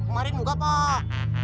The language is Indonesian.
mari muka pak